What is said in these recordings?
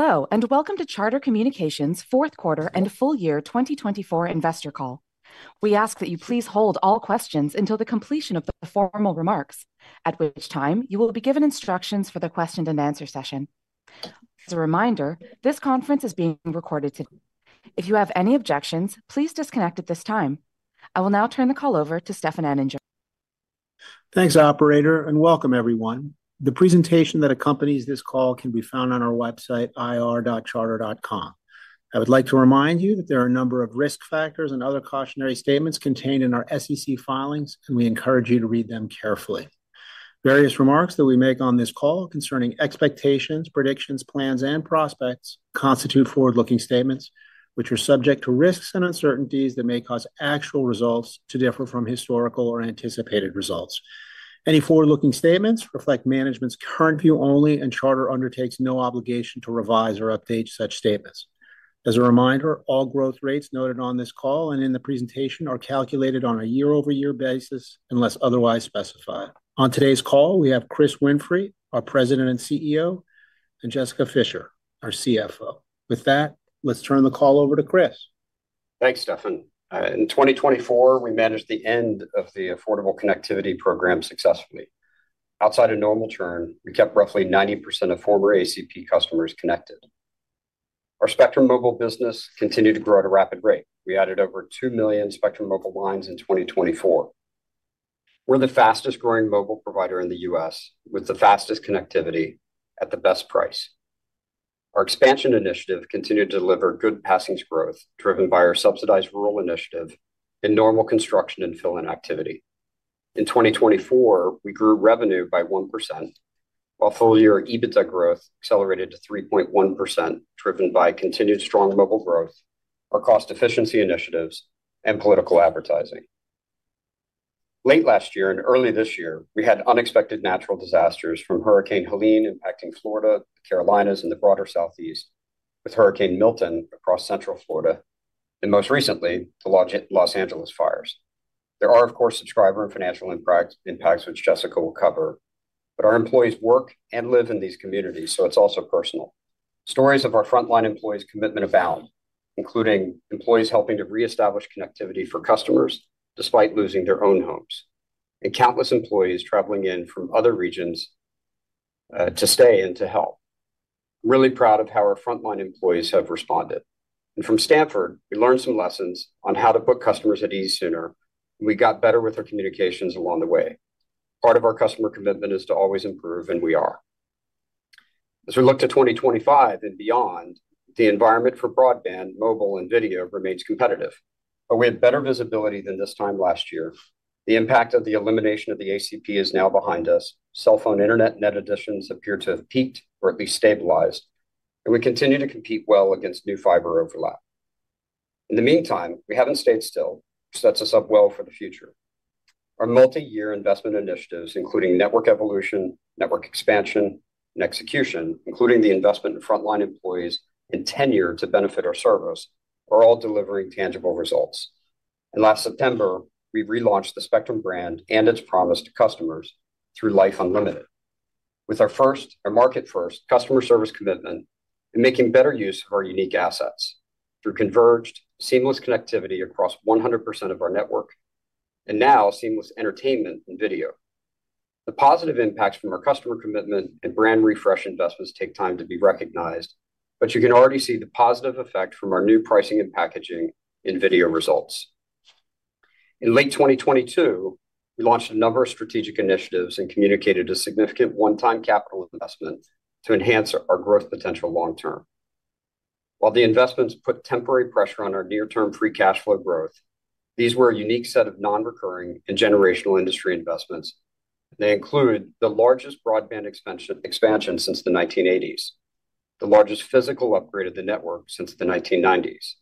Hello, and welcome to Charter Communications' Q4 and Full Year 2024 Investor Call. We ask that you please hold all questions until the completion of the formal remarks, at which time you will be given instructions for the question-and-answer session. As a reminder, this conference is being recorded today. If you have any objections, please disconnect at this time. I will now turn the call over to Stefan Anninger. Thanks, Operator, and welcome, everyone. The presentation that accompanies this call can be found on our website, ir.charter.com. I would like to remind you that there are a number of risk factors and other cautionary statements contained in our SEC filings, and we encourage you to read them carefully. Various remarks that we make on this call concerning expectations, predictions, plans, and prospects constitute forward-looking statements, which are subject to risks and uncertainties that may cause actual results to differ from historical or anticipated results. Any forward-looking statements reflect management's current view only, and Charter undertakes no obligation to revise or update such statements. As a reminder, all growth rates noted on this call and in the presentation are calculated on a year-over-year basis unless otherwise specified. On today's call, we have Chris Winfrey, our President and CEO, and Jessica Fischer, our CFO. With that, let's turn the call over to Chris. Thanks, Stefan. In 2024, we managed the end of the Affordable Connectivity Program successfully. Outside a normal turn, we kept roughly 90% of former ACP customers connected. Our Spectrum Mobile business continued to grow at a rapid rate. We added over two million Spectrum Mobile lines in 2024. We're the fastest-growing mobile provider in the U.S., with the fastest connectivity at the best price. Our expansion initiative continued to deliver good passing growth, driven by our subsidized rural initiative and normal construction and fill-in activity. In 2024, we grew revenue by 1%, while full-year EBITDA growth accelerated to 3.1%, driven by continued strong mobile growth, our cost efficiency initiatives, and political advertising. Late last year and early this year, we had unexpected natural disasters from Hurricane Helene impacting Florida, The Carolinas, and the broader Southeast, with Hurricane Milton across Central Florida, and most recently, the Los Angeles fires. There are, of course, subscriber and financial impacts, which Jessica will cover, but our employees work and live in these communities, so it's also personal. Stories of our frontline employees' commitment abound, including employees helping to reestablish connectivity for customers despite losing their own homes, and countless employees traveling in from other regions to stay and to help. I'm really proud of how our frontline employees have responded. And from Stamford, we learned some lessons on how to put customers at ease sooner, and we got better with our communications along the way. Part of our customer commitment is to always improve, and we are. As we look to 2025 and beyond, the environment for broadband, mobile, and video remains competitive, but we have better visibility than this time last year. The impact of the elimination of the ACP is now behind us. Cell phone internet net additions appear to have peaked or at least stabilized, and we continue to compete well against new fiber overlap. In the meantime, we haven't stayed still, which sets us up well for the future. Our multi-year investment initiatives, including network evolution, network expansion, and execution, including the investment in frontline employees and tenure to benefit our service, are all delivering tangible results, and last September, we relaunched the Spectrum brand and its promise to customers through Life Unlimited. With our first and market-first customer service commitment and making better use of our unique assets through converged, seamless connectivity across 100% of our network, and now seamless entertainment and video. The positive impacts from our customer commitment and brand refresh investments take time to be recognized, but you can already see the positive effect from our new pricing and packaging and video results. In late 2022, we launched a number of strategic initiatives and communicated a significant one-time capital investment to enhance our growth potential long-term. While the investments put temporary pressure on our near-term Free Cash Flow growth, these were a unique set of non-recurring and generational industry investments, and they include the largest broadband expansion since the 1980s, the largest physical upgrade of the network since the 1990s,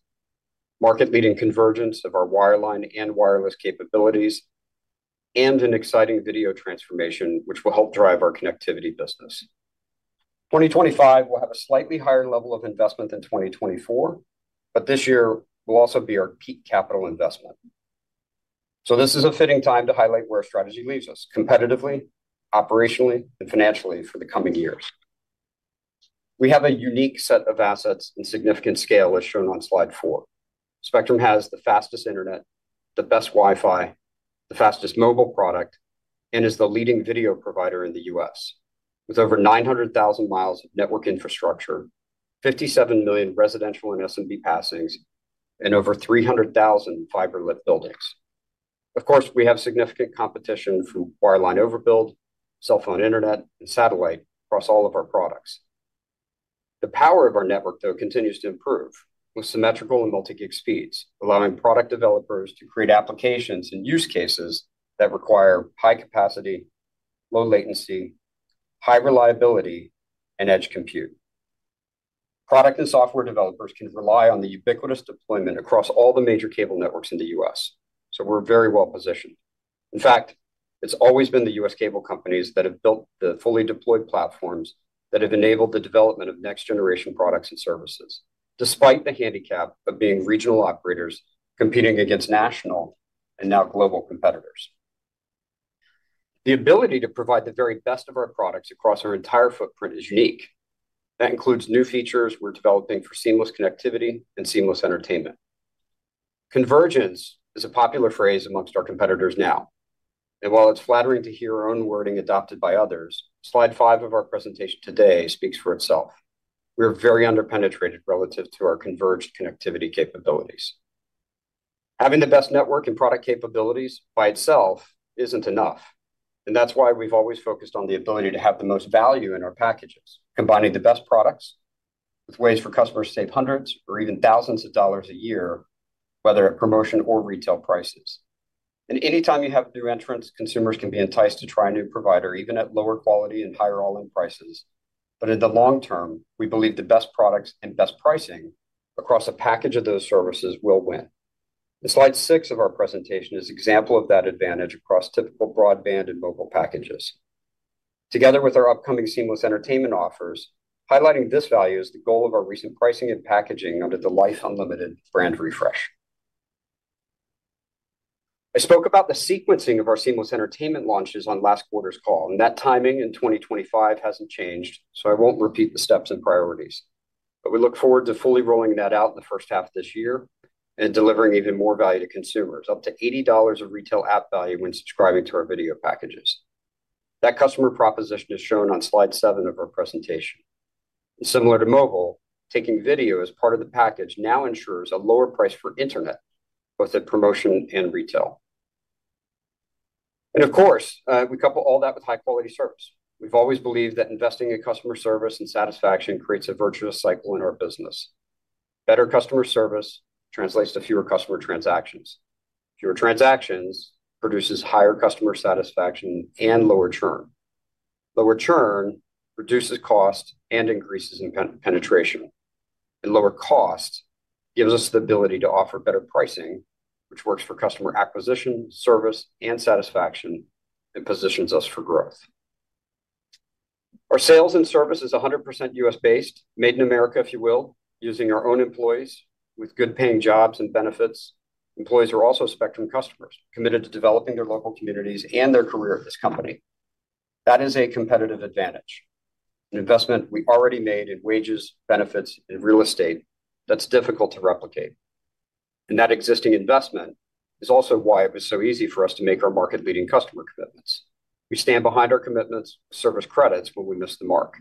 market-leading convergence of our wireline and wireless capabilities, and an exciting video transformation, which will help drive our connectivity business. 2025 will have a slightly higher level of investment than 2024, but this year will also be our peak capital investment, so this is a fitting time to highlight where our strategy leaves us competitively, operationally, and financially for the coming years. We have a unique set of assets and significant scale, as shown on slide four. Spectrum has the fastest internet, the best Wi-Fi, the fastest mobile product, and is the leading video provider in the U.S., with over 9,00,000 miles of network infrastructure, 57 million residential and SMB passings, and over 3,00,000 fiber-lit buildings. Of course, we have significant competition from wireline overbuild, cell phone internet, and satellite across all of our products. The power of our network, though, continues to improve with symmetrical and multi-gig speeds, allowing product developers to create applications and use cases that require high capacity, low latency, high reliability, and edge compute. Product and software developers can rely on the ubiquitous deployment across all the major cable networks in the U.S., so we're very well positioned. In fact, it's always been the U.S. cable companies that have built the fully deployed platforms that have enabled the development of next-generation products and services, despite the handicap of being regional operators competing against national and now global competitors. The ability to provide the very best of our products across our entire footprint is unique. That includes new features we're developing for seamless connectivity and seamless entertainment. Convergence is a popular phrase among our competitors now, and while it's flattering to hear our own wording adopted by others, slide five of our presentation today speaks for itself. We are very underpenetrated relative to our converged connectivity capabilities. Having the best network and product capabilities by itself isn't enough, and that's why we've always focused on the ability to have the most value in our packages, combining the best products with ways for customers to save hundreds or even thousands of dollars a year, whether at promotion or retail prices. And anytime you have new entrants, consumers can be enticed to try a new provider, even at lower quality and higher all-in prices, but in the long term, we believe the best products and best pricing across a package of those services will win. And slide six of our presentation is an example of that advantage across typical broadband and mobile packages. Together with our upcoming seamless entertainment offers, highlighting this value is the goal of our recent pricing and packaging under the Life Unlimited brand refresh. I spoke about the sequencing of our seamless entertainment launches on last quarter's call, and that timing in 2025 hasn't changed, so I won't repeat the steps and priorities, but we look forward to fully rolling that out in the first half of this year and delivering even more value to consumers, up to $80 of retail app value when subscribing to our video packages. That customer proposition is shown on slide seven of our presentation, and similar to mobile, taking video as part of the package now ensures a lower price for internet, both at promotion and retail, and of course, we couple all that with high-quality service. We've always believed that investing in customer service and satisfaction creates a virtuous cycle in our business. Better customer service translates to fewer customer transactions. Fewer transactions produce higher customer satisfaction and lower churn. Lower churn reduces cost and increases penetration. Lower cost gives us the ability to offer better pricing, which works for customer acquisition, service, and satisfaction, and positions us for growth. Our sales and service is 100% U.S.-based, made in America, if you will, using our own employees with good-paying jobs and benefits. Employees are also Spectrum customers committed to developing their local communities and their career at this company. That is a competitive advantage, an investment we already made in wages, benefits, and real estate that's difficult to replicate. That existing investment is also why it was so easy for us to make our market-leading customer commitments. We stand behind our commitments with service credits when we miss the mark.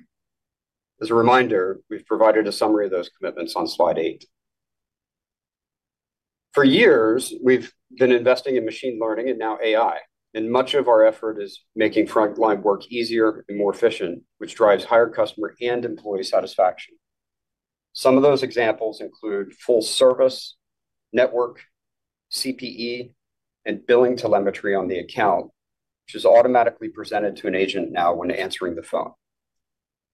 As a reminder, we've provided a summary of those commitments on slide eight. For years, we've been investing in machine learning and now AI, and much of our effort is making frontline work easier and more efficient, which drives higher customer and employee satisfaction. Some of those examples include full-service network, CPE, and billing telemetry on the account, which is automatically presented to an agent now when answering the phone.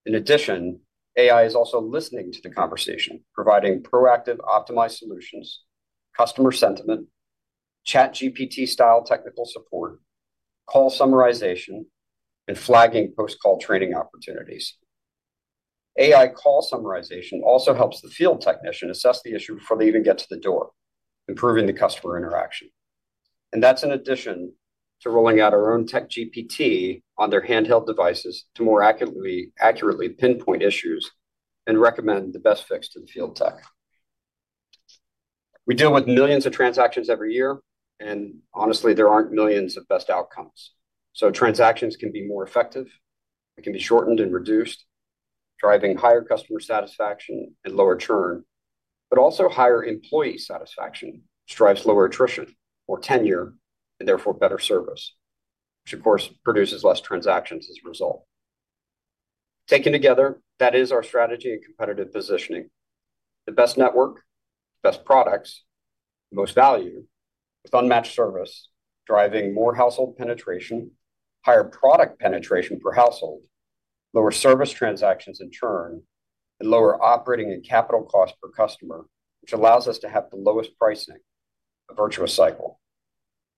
In addition, AI is also listening to the conversation, providing proactive optimized solutions, customer sentiment, ChatGPT-style technical support, call summarization, and flagging post-call training opportunities. AI call summarization also helps the field technician assess the issue before they even get to the door, improving the customer interaction, and that's in addition to rolling out our own TechGPT on their handheld devices to more accurately pinpoint issues and recommend the best fix to the field tech. We deal with millions of transactions every year, and honestly, there aren't millions of best outcomes. So transactions can be more effective. They can be shortened and reduced, driving higher customer satisfaction and lower churn, but also higher employee satisfaction, which drives lower attrition or tenure and therefore better service, which, of course, produces less transactions as a result. Taken together, that is our strategy and competitive positioning: the best network, best products, most value, with unmatched service, driving more household penetration, higher product penetration per household, lower service transactions and churn, and lower operating and capital costs per customer, which allows us to have the lowest pricing, a virtuous cycle.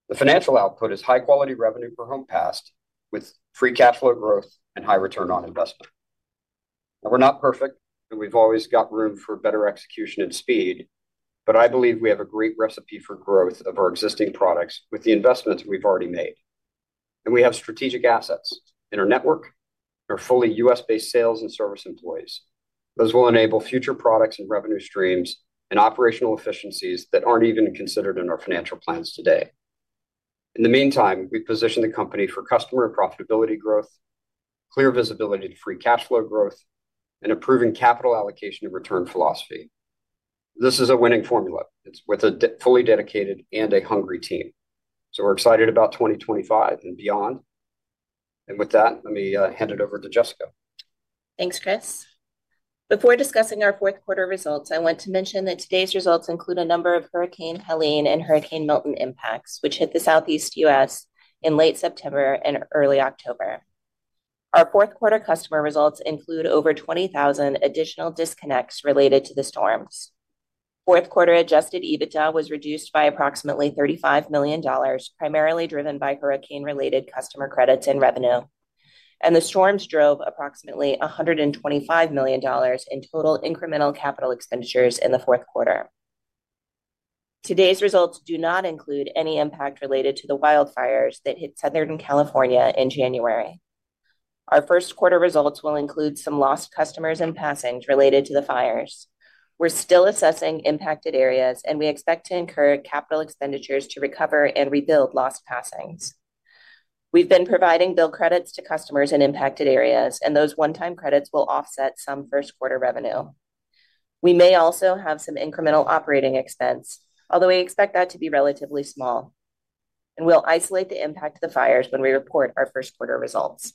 The financial output is high-quality revenue per home passed with free cash flow growth and high return on investment. Now, we're not perfect, and we've always got room for better execution and speed, but I believe we have a great recipe for growth of our existing products with the investments we've already made. We have strategic assets in our network, our fully U.S.-based sales and service employees. Those will enable future products and revenue streams and operational efficiencies that aren't even considered in our financial plans today. In the meantime, we position the company for customer and profitability growth, clear visibility to free cash flow growth, and improving capital allocation and return philosophy. This is a winning formula with a fully dedicated and a hungry team. We're excited about 2025 and beyond. With that, let me hand it over to Jessica. Thanks, Chris. Before discussing our Q4 results, I want to mention that today's results include a number of Hurricane Helene and Hurricane Milton impacts, which hit the Southeast U.S. in late September and early October. Our Q4 customer results include over 20,000 additional disconnects related to the storms. Q4 Adjusted EBITDA was reduced by approximately $35 million, primarily driven by hurricane-related customer credits and revenue. The storms drove approximately $125 million in total incremental capital expenditures in the Q4. Today's results do not include any impact related to the wildfires that hit Southern California in January. Our Q1 results will include some lost customers and passings related to the fires. We're still assessing impacted areas, and we expect to incur capital expenditures to recover and rebuild lost passings. We've been providing bill credits to customers in impacted areas, and those one-time credits will offset some Q1 revenue. We may also have some incremental operating expense, although we expect that to be relatively small. We'll isolate the impact of the fires when we report our Q1 results.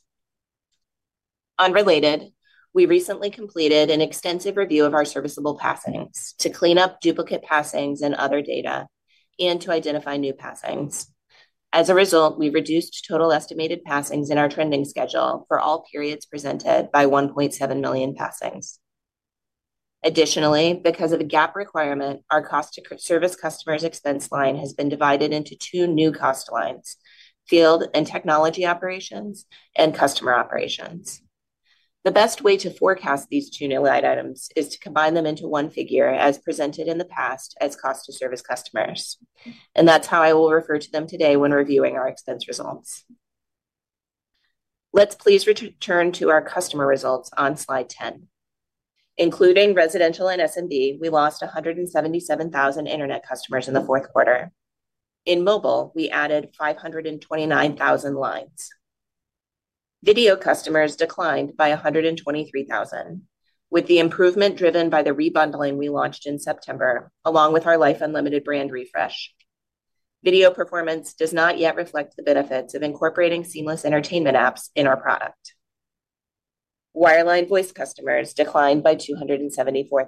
On related, we recently completed an extensive review of our serviceable passings to clean up duplicate passings and other data and to identify new passings. As a result, we reduced total estimated passings in our trending schedule for all periods presented by 1.7 million passings. Additionally, because of a gap requirement, our cost-to-service customers expense line has been divided into two new cost lines: field and technology operations and customer operations. The best way to forecast these two new line items is to combine them into one figure, as presented in the past as cost-to-service customers, and that's how I will refer to them today when reviewing our expense results. Let's please return to our customer results on slide 10. Including residential and SMB, we lost 1,77,000 internet customers in the Q4. In mobile, we added 5,29,000 lines. Video customers declined by 1,23,000 with the improvement driven by the rebundling we launched in September, along with our Life Unlimited brand refresh. Video performance does not yet reflect the benefits of incorporating seamless entertainment apps in our product. Wireline voice customers declined by 2,74,000.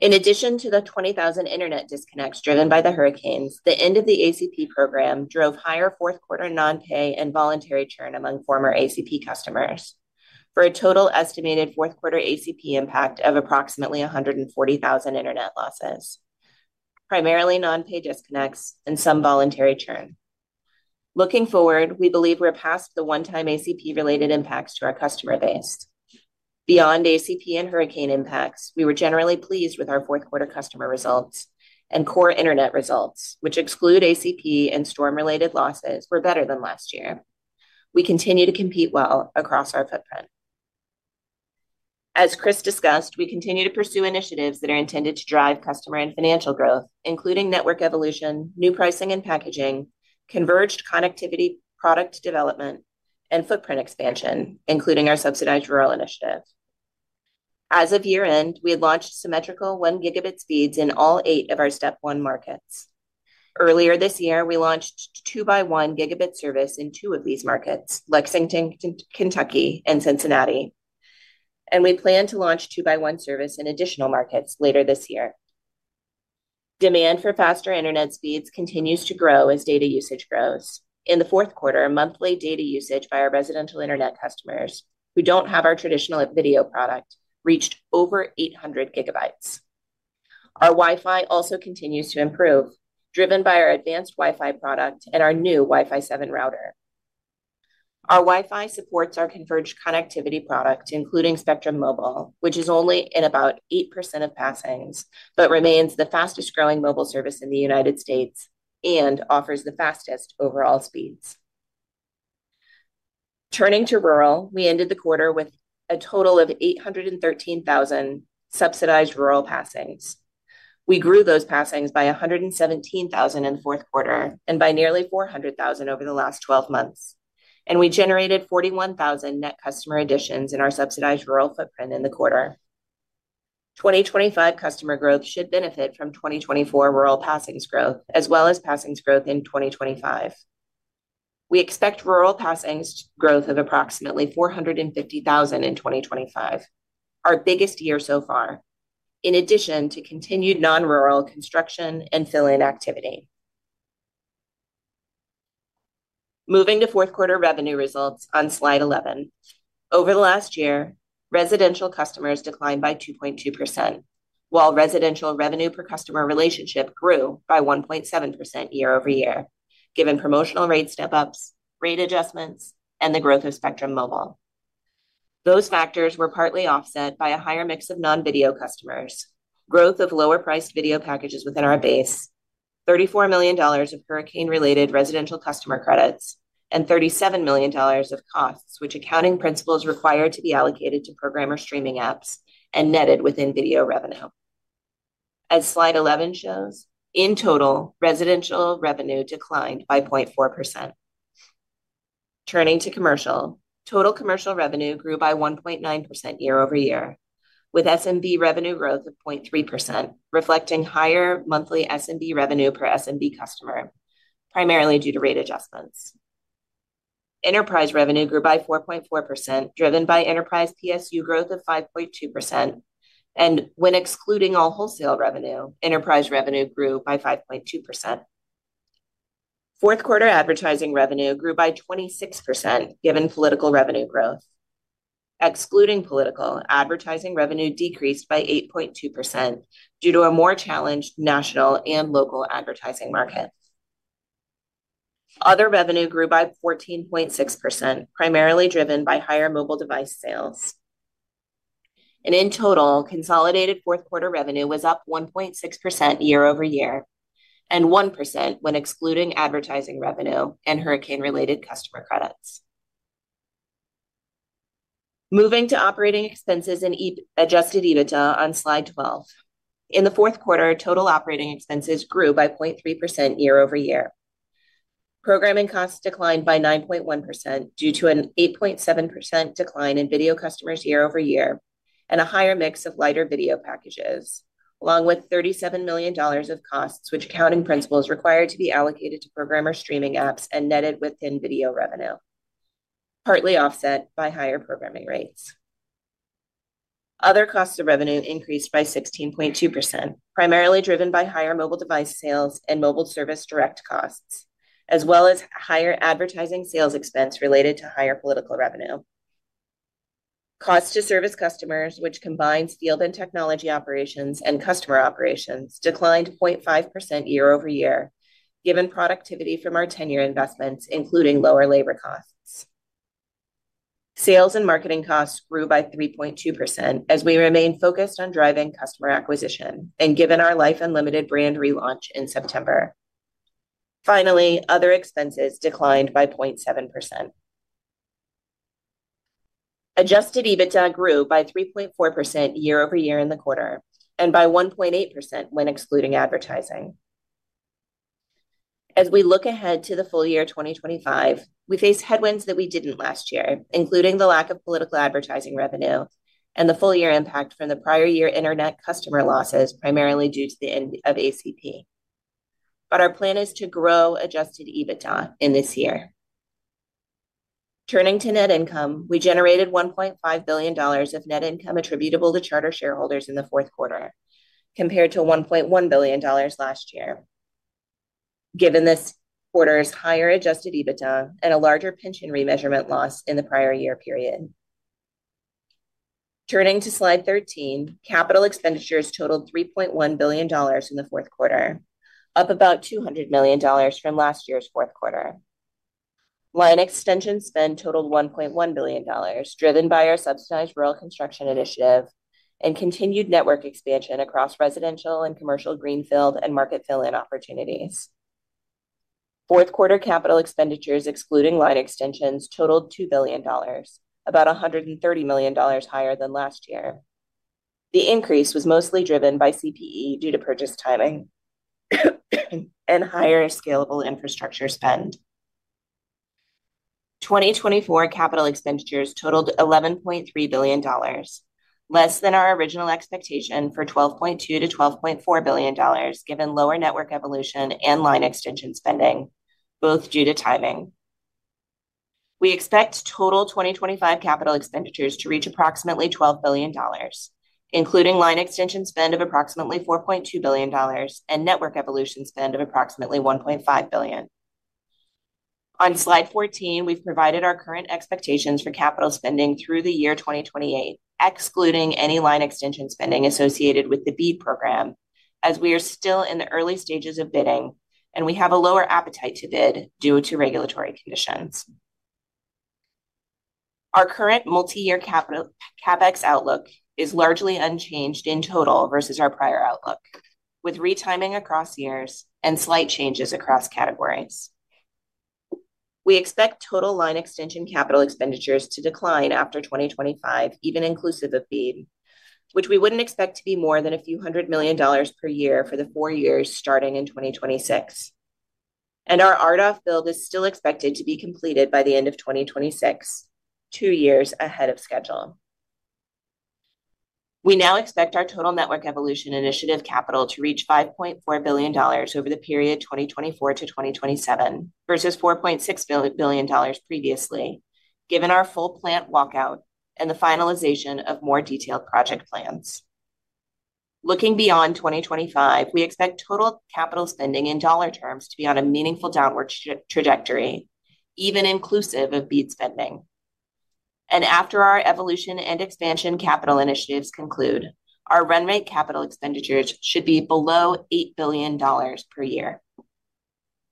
In addition to the 20,000 internet disconnects driven by the hurricanes, the end of the ACP program drove higher Q4 non-pay and voluntary churn among former ACP customers for a total estimated Q4 ACP impact of approximately 1,40,000 internet losses, primarily non-pay disconnects and some voluntary churn. Looking forward, we believe we're past the one-time ACP-related impacts to our customer base. Beyond ACP and hurricane impacts, we were generally pleased with our Q4 customer results and core internet results, which exclude ACP and storm-related losses, were better than last year. We continue to compete well across our footprint. As Chris discussed, we continue to pursue initiatives that are intended to drive customer and financial growth, including network evolution, new pricing and packaging, converged connectivity, product development, and footprint expansion, including our subsidized rural initiative. As of year-end, we had launched symmetrical one gigabit speeds in all eight of our step one markets. Earlier this year, we launched two-by-one gigabit service in two of these markets, Lexington, Kentucky, and Cincinnati. And we plan to launch two-by-one service in additional markets later this year. Demand for faster internet speeds continues to grow as data usage grows. In the Q4, monthly data usage by our residential internet customers, who don't have our traditional video product, reached over 800 gigabytes. Our Wi-Fi also continues to improve, driven by our advanced Wi-Fi product and our new Wi-Fi 7 router. Our Wi-Fi supports our converged connectivity product, including Spectrum Mobile, which is only in about 8% of passings but remains the fastest-growing mobile service in the United States and offers the fastest overall speeds. Turning to rural, we ended the quarter with a total of 813,000 subsidized rural passings. We grew those passings by 117,000 in the Q4 and by nearly 400,000 over the last 12 months. And we generated 41,000 net customer additions in our subsidized rural footprint in the quarter. 2025 customer growth should benefit from 2024 rural passings growth, as well as passings growth in 2025. We expect rural passings growth of approximately 450,000 in 2025, our biggest year so far, in addition to continued non-rural construction and fill-in activity. Moving to Q4 revenue results on slide 11. Over the last year, residential customers declined by 2.2%, while residential revenue per customer relationship grew by 1.7% year over year, given promotional rate step-ups, rate adjustments, and the growth of Spectrum Mobile. Those factors were partly offset by a higher mix of non-video customers, growth of lower-priced video packages within our base, $34 million of hurricane-related residential customer credits, and $37 million of costs, which accounting principles required to be allocated to programming or streaming apps and netted within video revenue. As slide 11 shows, in total, residential revenue declined by 0.4%. Turning to commercial, total commercial revenue grew by 1.9% year over year, with SMB revenue growth of 0.3%, reflecting higher monthly SMB revenue per SMB customer, primarily due to rate adjustments. Enterprise revenue grew by 4.4%, driven by enterprise PSU growth of 5.2%, and when excluding all wholesale revenue, enterprise revenue grew by 5.2%. Q4 advertising revenue grew by 26%, given political revenue growth. Excluding political, advertising revenue decreased by 8.2% due to a more challenged national and local advertising market. Other revenue grew by 14.6%, primarily driven by higher mobile device sales. And in total, consolidated Q4 revenue was up 1.6% year over year and 1% when excluding advertising revenue and hurricane-related customer credits. Moving to operating expenses and Adjusted EBITDA on slide 12. In the Q4, total operating expenses grew by 0.3% year over year. Programming costs declined by 9.1% due to an 8.7% decline in video customers year over year and a higher mix of lighter video packages, along with $37 million of costs, which accounting principles required to be allocated to programming or streaming apps and netted within video revenue, partly offset by higher programming rates. Other costs of revenue increased by 16.2%, primarily driven by higher mobile device sales and mobile service direct costs, as well as higher advertising sales expense related to higher political revenue. Cost-to-service customers, which combines field and technology operations and customer operations, declined 0.5% year over year, given productivity from our tenure investments, including lower labor costs. Sales and marketing costs grew by 3.2% as we remained focused on driving customer acquisition and given our Life Unlimited brand relaunch in September. Finally, other expenses declined by 0.7%. Adjusted EBITDA grew by 3.4% year over year in the quarter and by 1.8% when excluding advertising. As we look ahead to the full year 2025, we face headwinds that we didn't last year, including the lack of political advertising revenue and the full year impact from the prior year internet customer losses, primarily due to the end of ACP. But our plan is to grow Adjusted EBITDA in this year. Turning to net income, we generated $1.5 billion of net income attributable to Charter shareholders in the Q4, compared to $1.1 billion last year, given this quarter's higher Adjusted EBITDA and a larger pension remeasurement loss in the prior year period. Turning to slide 13, capital expenditures totaled $3.1 billion in the Q4, up about $200 million from last year's Q4. Line extension spend totaled $1.1 billion, driven by our subsidized rural construction initiative and continued network expansion across residential and commercial greenfield and market fill-in opportunities. Q4 capital expenditures, excluding line extensions, totaled $2 billion, about $130 million higher than last year. The increase was mostly driven by CPE due to purchase timing and higher scalable infrastructure spend. 2024 capital expenditures totaled $11.3 billion, less than our original expectation for $12.2-$12.4 billion, given lower network evolution and line extension spending, both due to timing. We expect total 2025 capital expenditures to reach approximately $12 billion, including line extension spend of approximately $4.2 billion and network evolution spend of approximately $1.5 billion. On slide 14, we've provided our current expectations for capital spending through the year 2028, excluding any line extension spending associated with the B program, as we are still in the early stages of bidding and we have a lower appetite to bid due to regulatory conditions. Our current multi-year CapEx outlook is largely unchanged in total versus our prior outlook, with retiming across years and slight changes across categories. We expect total line extension capital expenditures to decline after 2025, even inclusive of B, which we wouldn't expect to be more than a few hundred million dollars per year for the four years starting in 2026, and our RDOF build is still expected to be completed by the end of 2026, two years ahead of schedule. We now expect our total network evolution initiative capital to reach $5.4 billion over the period 2024 to 2027 versus $4.6 billion previously, given our full plant walkout and the finalization of more detailed project plans. Looking beyond 2025, we expect total capital spending in dollar terms to be on a meaningful downward trajectory, even inclusive of B spending, and after our evolution and expansion capital initiatives conclude, our run rate capital expenditures should be below $8 billion per year.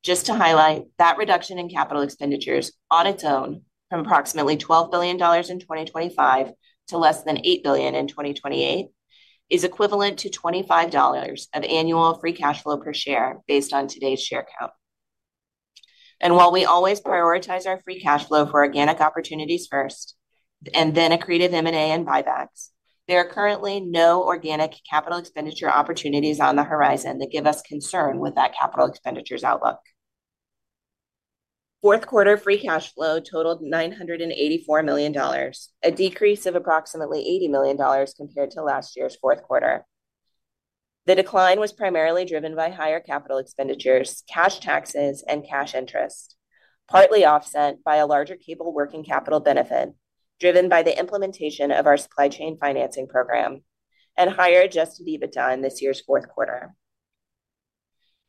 Just to highlight, that reduction in capital expenditures on its own from approximately $12 billion in 2025 to less than $8 billion in 2028 is equivalent to $25 of annual Free Cash Flow per share based on today's share count, and while we always prioritize our Free Cash Flow for organic opportunities first and then accretive M&A and buybacks, there are currently no organic capital expenditure opportunities on the horizon that give us concern with that capital expenditures outlook. Q4 Free Cash Flow totaled $984 million, a decrease of approximately $80 million compared to last year's Q4. The decline was primarily driven by higher capital expenditures, cash taxes, and cash interest, partly offset by a larger cable working capital benefit driven by the implementation of our supply chain financing program and higher Adjusted EBITDA in this year's Q4.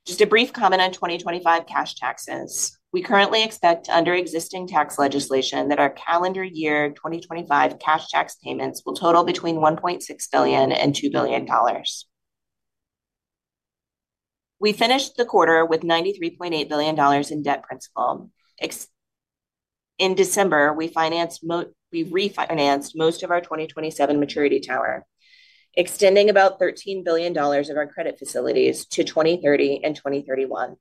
Just a brief comment on 2025 cash taxes. We currently expect under existing tax legislation that our calendar year 2025 cash tax payments will total between $1.6 billion and $2 billion. We finished the quarter with $93.8 billion in debt principal. In December, we refinanced most of our 2027 maturity tower, extending about $13 billion of our credit facilities to 2030 and 2031.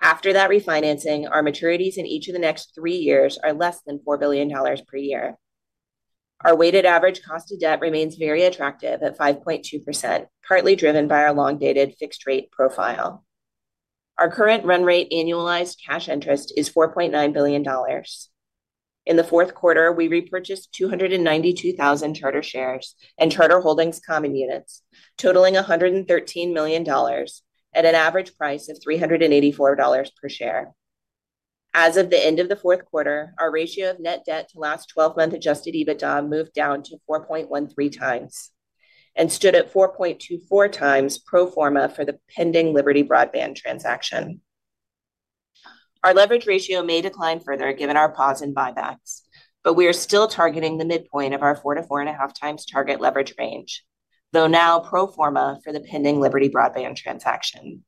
After that refinancing, our maturities in each of the next three years are less than $4 billion per year. Our weighted average cost of debt remains very attractive at 5.2%, partly driven by our long-dated fixed-rate profile. Our current run rate annualised cash interest is $4.9 billion. In the Q4, we repurchased 2,92,000 Charter shares and Charter Holdings common units, totaling $113 million at an average price of $384 per share. As of the end of the Q4, our ratio of net debt to last 12-month Adjusted EBITDA moved down to 4.13 times and stood at 4.24 times pro forma for the pending Liberty Broadband transaction. Our leverage ratio may decline further given our pause in buybacks, but we are still targeting the midpoint of our four to four and a half times target leverage range, though now pro forma for the pending Liberty Broadband transaction.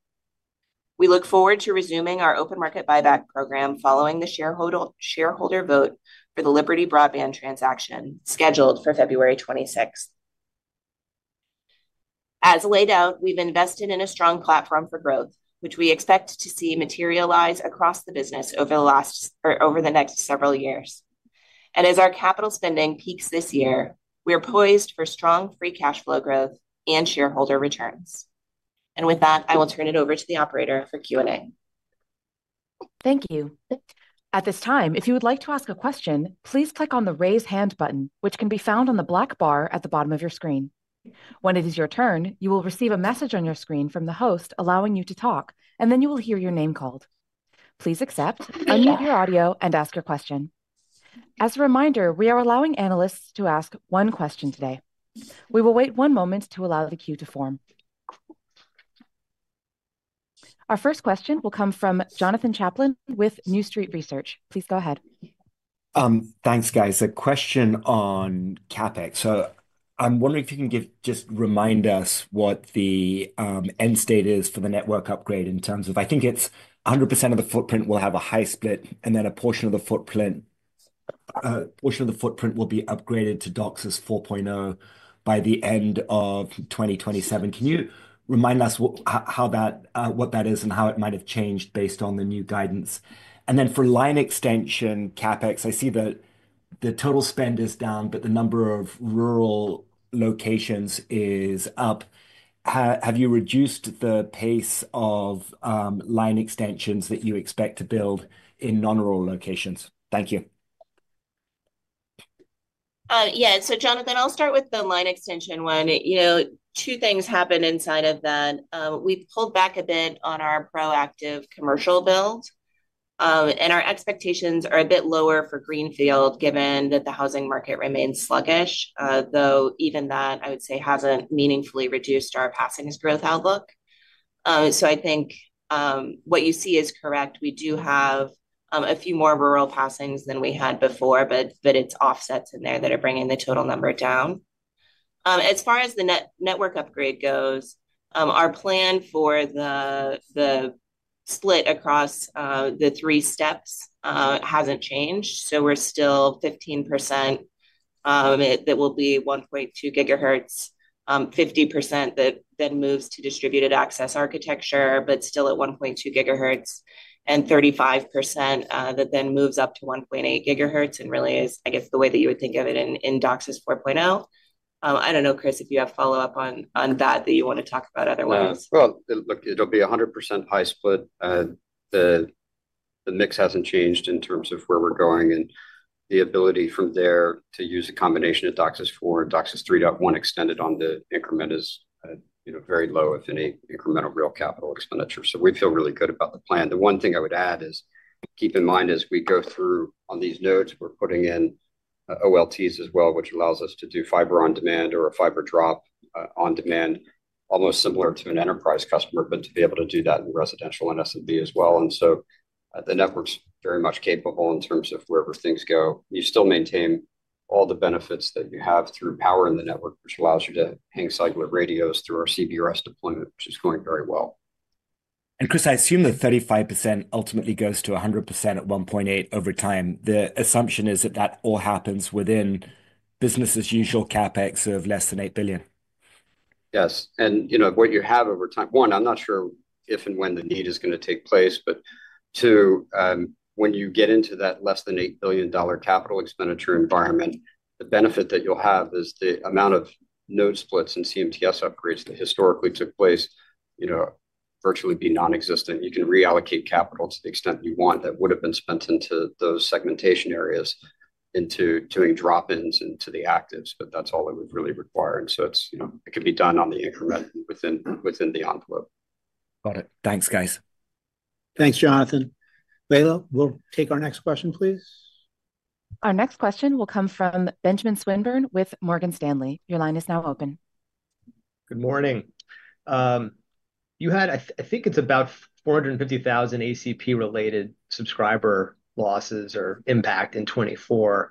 We look forward to resuming our open market buyback program following the shareholder vote for the Liberty Broadband transaction scheduled for February 26. As laid out, we've invested in a strong platform for growth, which we expect to see materialize across the business over the next several years. And as our capital spending peaks this year, we are poised for strong Free Cash Flow growth and shareholder returns. And with that, I will turn it over to the operator for Q&A. Thank you. At this time, if you would like to ask a question, please click on the raise hand button, which can be found on the black bar at the bottom of your screen. When it is your turn, you will receive a message on your screen from the host allowing you to talk, and then you will hear your name called. Please accept, unmute your audio, and ask your question. As a reminder, we are allowing analysts to ask one question today. We will wait one moment to allow the queue to form. Our first question will come from Jonathan Chaplin with New Street Research. Please go ahead. Thanks, guys. A question on CapEx. So, I'm wondering if you can just remind us what the end state is for the network upgrade in terms of, I think it's 100% of the footprint will have a high split, and then a portion of the footprint will be upgraded to DOCSIS 4.0 by the end of 2027. Can you remind us what that is and how it might have changed based on the new guidance? And then for line extension CapEx, I see that the total spend is down, but the number of rural locations is up. Have you reduced the pace of line extensions that you expect to build in non-rural locations? Thank you. Yeah. So, Jonathan, I'll start with the line extension one. Two things happened inside of that. We've pulled back a bit on our proactive commercial build, and our expectations are a bit lower for greenfield, given that the housing market remains sluggish, though even that, I would say, hasn't meaningfully reduced our passing growth outlook. So I think what you see is correct. We do have a few more rural passings than we had before, but it's offsets in there that are bringing the total number down. As far as the network upgrade goes, our plan for the split across the three steps hasn't changed. So we're still 15% that will be 1.2 gigahertz, 50% that then moves to distributed access architecture, but still at 1.2 gigahertz, and 35% that then moves up to 1.8 gigahertz and really is, I guess, the way that you would think of it in DOCSIS 4.0. I don't know, Chris, if you have follow-up on that you want to talk about otherwise. Well, look, it'll be 100% high split. The mix hasn't changed in terms of where we're going and the ability from there to use a combination of DOCSIS 4 and DOCSIS 3.1 extension on the increment is very low, if any, incremental real capital expenditure. So we feel really good about the plan. The one thing I would add is keep in mind as we go through on these nodes, we're putting in OLTs as well, which allows us to do fiber on demand or a fiber drop on demand, almost similar to an enterprise customer, but to be able to do that in residential and SMB as well. And so the network's very much capable in terms of wherever things go. You still maintain all the benefits that you have through power in the network, which allows you to hang cellular radios through our CBRS deployment, which is going very well. And Chris, I assume that 35% ultimately goes to 100% at 1.8 over time. The assumption is that that all happens within business's usual CapEx of less than $8 billion. Yes. And what you have over time, one, I'm not sure if and when the need is going to take place, but two, when you get into that less than $8 billion capital expenditure environment, the benefit that you'll have is the amount of node splits and CMTS upgrades that historically took place will virtually be nonexistent. You can reallocate capital to the extent you want that would have been spent into those segmentation areas, into doing drop-ins into the actives, but that's all it would really require. And so it can be done on the increment within the envelope. Got it. Thanks, guys. Thanks, Jonathan. Leila, we'll take our next question, please. Our next question will come from Benjamin Swinburne with Morgan Stanley. Your line is now open. Good morning. You had, I think it's about 4,50,000 ACP-related subscriber losses or impact in 2024.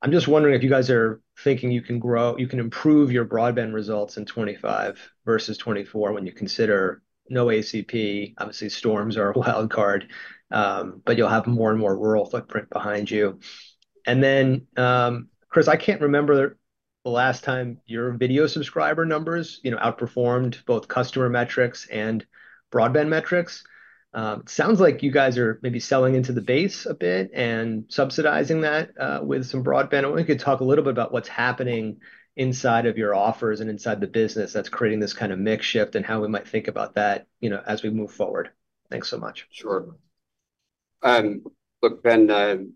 I'm just wondering if you guys are thinking you can improve your broadband results in 2025 versus 2024 when you consider no ACP. Obviously, storms are a wild card, but you'll have more and more rural footprint behind you. And then, Chris, I can't remember the last time your video subscriber numbers outperformed both customer metrics and broadband metrics. It sounds like you guys are maybe selling into the base a bit and subsidizing that with some broadband. I want you to talk a little bit about what's happening inside of your offers and inside the business that's creating this kind of mix shift and how we might think about that as we move forward. Thanks so much. Sure. Look, Ben,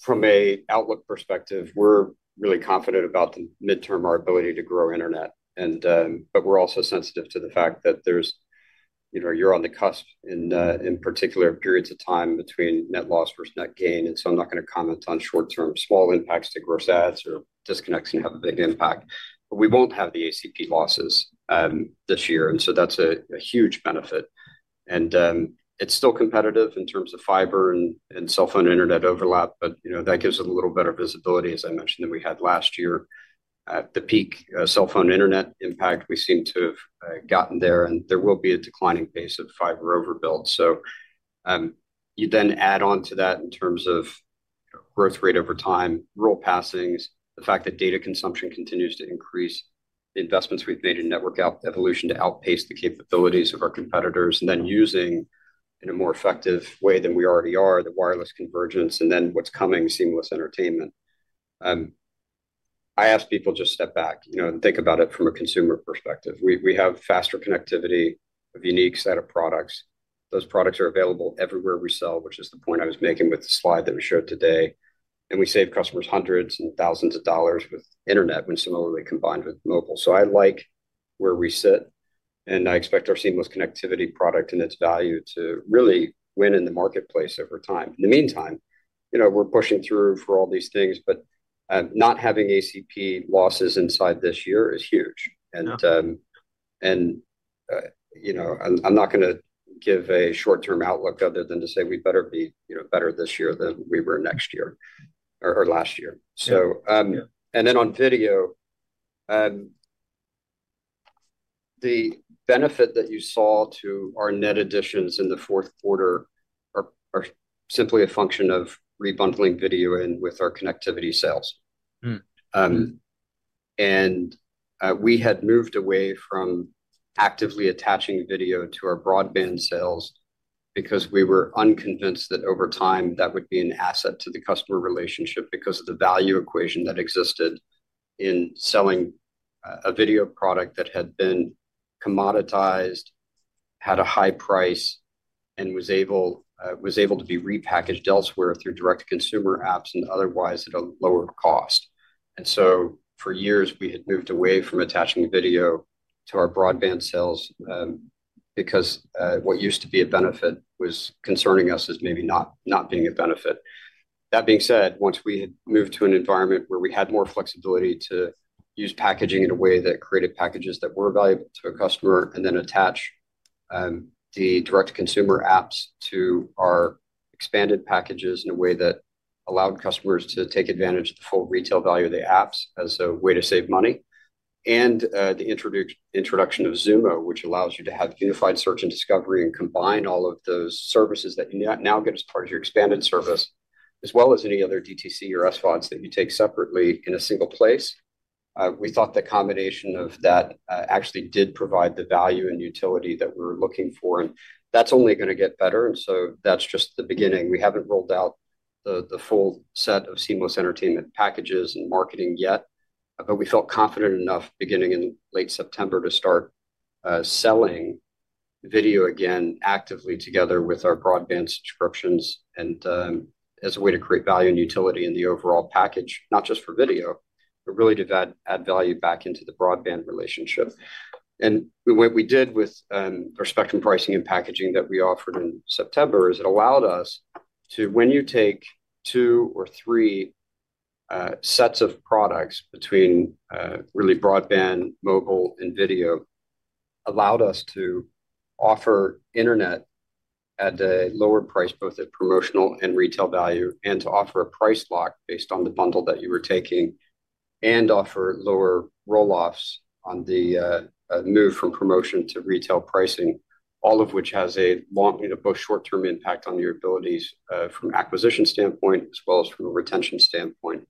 from an outlook perspective, we're really confident about the mid-term our ability to grow internet, but we're also sensitive to the fact that we're on the cusp in particular periods of time between net loss versus net gain. And so I'm not going to comment on short-term small impacts to gross adds or disconnects and have a big impact. But we won't have the ACP losses this year. And so that's a huge benefit. And it's still competitive in terms of fiber and cell phone internet overlap, but that gives a little better visibility, as I mentioned, than we had last year. At the peak cell phone internet impact, we seem to have gotten there, and there will be a declining pace of fiber overbuild. So you then add on to that in terms of growth rate over time, rural passings, the fact that data consumption continues to increase, the investments we've made in network evolution to outpace the capabilities of our competitors, and then using in a more effective way than we already are the wireless convergence, and then what's coming, seamless entertainment. I ask people to step back and think about it from a consumer perspective. We have faster connectivity of unique set of products. Those products are available everywhere we sell, which is the point I was making with the slide that we showed today. And we save customers hundreds and thousands of dollars with the internet when similarly combined with mobile. I like where we sit, and I expect our seamless connectivity product and its value to really win in the marketplace over time. In the meantime, we're pushing through for all these things, but not having ACP losses inside this year is huge. I'm not going to give a short-term outlook other than to say we better be better this year than we were next year or last year. Then on video, the benefit that you saw to our net additions in the Q4 are simply a function of rebundling video in with our connectivity sales. And we had moved away from actively attaching video to our broadband sales because we were unconvinced that over time that would be an asset to the customer relationship because of the value equation that existed in selling a video product that had been commoditized, had a high price, and was able to be repackaged elsewhere through direct consumer apps and otherwise at a lower cost. And so for years, we had moved away from attaching video to our broadband sales because what used to be a benefit was concerning us as maybe not being a benefit. That being said, once we had moved to an environment where we had more flexibility to use packaging in a way that created packages that were valuable to a customer and then attach the direct consumer apps to our expanded packages in a way that allowed customers to take advantage of the full retail value of the apps as a way to save money, and the introduction of Xumo, which allows you to have unified search and discovery and combine all of those services that you now get as part of your expanded service, as well as any other DTC or SVODs that you take separately in a single place. We thought the combination of that actually did provide the value and utility that we were looking for, and that's only going to get better, and so that's just the beginning. We haven't rolled out the full set of seamless entertainment packages and marketing yet, but we felt confident enough beginning in late September to start selling video again actively together with our broadband subscriptions as a way to create value and utility in the overall package, not just for video, but really to add value back into the broadband relationship. What we did with our Spectrum pricing and packaging that we offered in September is it allowed us to, when you take two or three sets of products between really broadband, mobile, and video, allowed us to offer internet at a lower price, both at promotional and retail value, and to offer a price lock based on the bundle that you were taking and offer lower roll-offs on the move from promotion to retail pricing, all of which has a both short-term impact on your abilities from an acquisition standpoint as well as from a retention standpoint.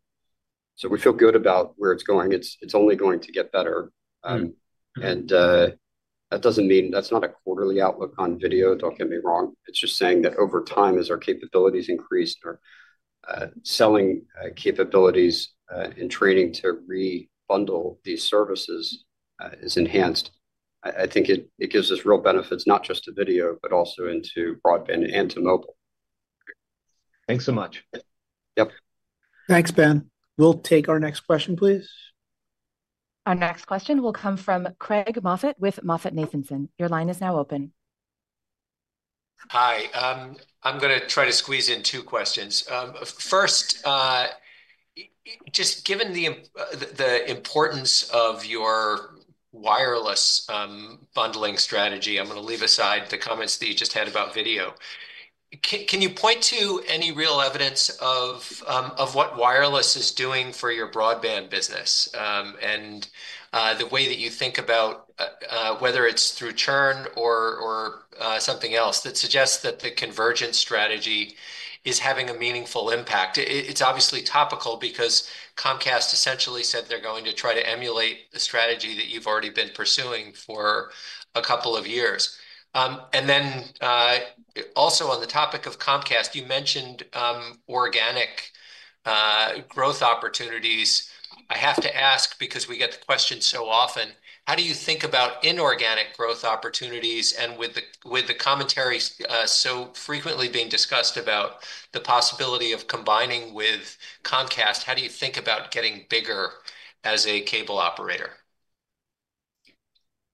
We feel good about where it's going. It's only going to get better. That doesn't mean that's not a quarterly outlook on video. Don't get me wrong. It's just saying that over time, as our capabilities increase, our selling capabilities and training to rebundle these services is enhanced. I think it gives us real benefits, not just to video, but also into broadband and to mobile. Thanks so much. Yep. Thanks, Ben. We'll take our next question, please. Our next question will come from Craig Moffett with Moffett Nathanson. Your line is now open. Hi. I'm going to try to squeeze in two questions. First, just given the importance of your wireless bundling strategy, I'm going to leave aside the comments that you just had about video. Can you point to any real evidence of what wireless is doing for your broadband business and the way that you think about whether it's through churn or something else that suggests that the convergence strategy is having a meaningful impact? It's obviously topical because Comcast essentially said they're going to try to emulate the strategy that you've already been pursuing for a couple of years. And then also on the topic of Comcast, you mentioned organic growth opportunities. I have to ask because we get the question so often. How do you think about inorganic growth opportunities? And with the commentary so frequently being discussed about the possibility of combining with Comcast, how do you think about getting bigger as a cable operator?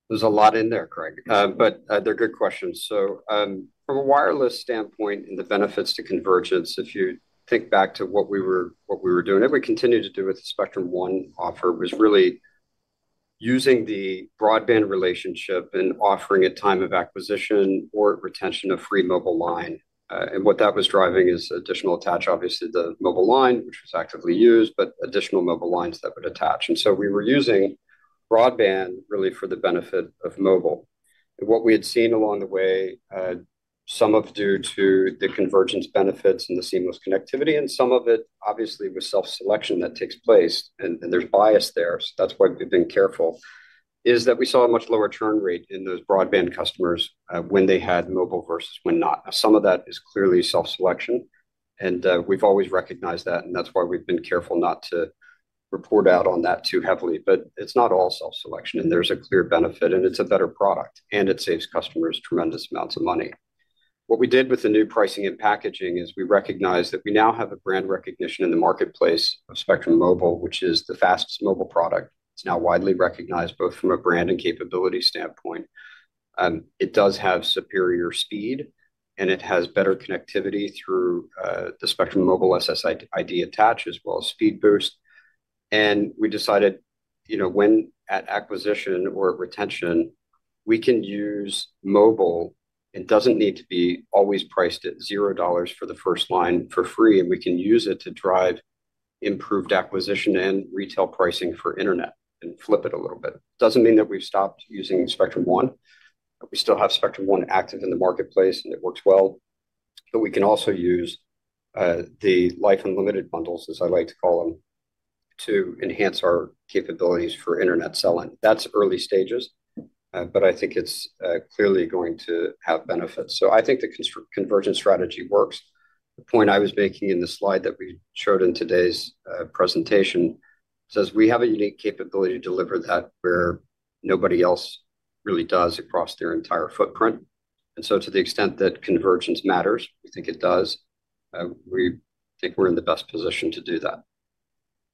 There's a lot in there, Craig, but they're good questions. From a wireless standpoint and the benefits to convergence, if you think back to what we were doing, and we continue to do with the Spectrum One offer, was really using the broadband relationship and offering a time of acquisition or retention of free mobile line. And what that was driving is additional attach, obviously, the mobile line, which was actively used, but additional mobile lines that would attach. And so we were using broadband really for the benefit of mobile. And what we had seen along the way, some of due to the convergence benefits and the seamless connectivity, and some of it obviously with self-selection that takes place, and there's bias there. So that's why we've been careful, is that we saw a much lower churn rate in those broadband customers when they had mobile versus when not. Now, some of that is clearly self-selection, and we've always recognized that, and that's why we've been careful not to report out on that too heavily. But it's not all self-selection, and there's a clear benefit, and it's a better product, and it saves customers tremendous amounts of money. What we did with the new pricing and packaging is we recognize that we now have a brand recognition in the marketplace of Spectrum Mobile, which is the fastest mobile product. It's now widely recognized both from a brand and capability standpoint. It does have superior speed, and it has better connectivity through the Spectrum Mobile SSID attach as well as speed boost, and we decided when at acquisition or retention, we can use mobile. It doesn't need to be always priced at $0 for the first line for free, and we can use it to drive improved acquisition and retail pricing for internet and flip it a little bit. Doesn't mean that we've stopped using Spectrum One. We still have Spectrum One active in the marketplace, and it works well, but we can also use the Life Unlimited bundles, as I like to call them, to enhance our capabilities for internet selling. That's early stages, but I think it's clearly going to have benefits, so I think the convergence strategy works. The point I was making in the slide that we showed in today's presentation says we have a unique capability to deliver that where nobody else really does across their entire footprint. And so to the extent that convergence matters, we think it does. We think we're in the best position to do that.